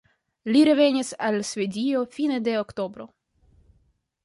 Li revenis al Svedio fine de oktobro.